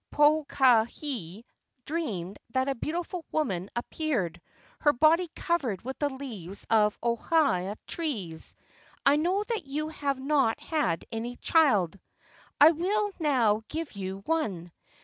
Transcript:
Pokahi dreamed that a beautiful woman ap¬ peared, her body covered with the leaves of ohia f trees. "I know that you have not had any child. I will now give you one.